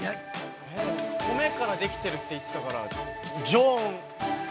◆米からできてるって言ってたから、常温。